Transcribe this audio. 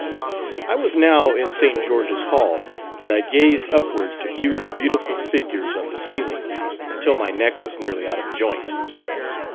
I was now in St. George's Hall, and I gazed upward to view the beautiful figures on the ceiling, until my neck was nearly out of joint.